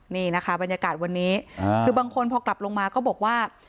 นี่นะคะบรรยากาศวันนี้คือบางคนพอกลับลงมาก็บอกว่า